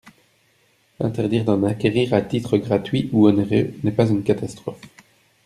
Interdire d’en acquérir à titre gratuit ou onéreux n’est pas une catastrophe.